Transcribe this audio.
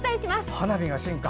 花火が進化。